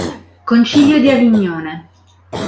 Concilio di Avignone